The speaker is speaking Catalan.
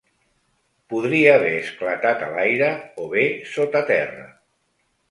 Podria haver esclatat a l’aire o bé sota terra.